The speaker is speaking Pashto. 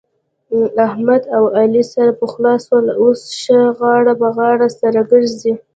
احمد اوعلي سره پخلا سول. اوس ښه غاړه په غاړه سره ګرځي.